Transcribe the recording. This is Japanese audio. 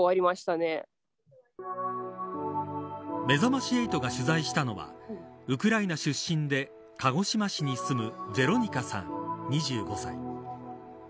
めざまし８が取材したのはウクライナ出身で鹿児島市に住むヴェロニカさん、２５歳。